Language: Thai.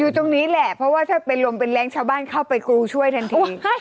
ตรงนี้แหละเพราะว่าถ้าเป็นลมเป็นแรงชาวบ้านเข้าไปกูช่วยทันที